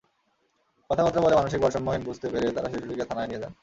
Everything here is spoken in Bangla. কথাবার্তা বলে মানসিক ভারসাম্যহীন বুঝতে পেরে তাঁরা শিশুটিকে থানায় নিয়ে যান।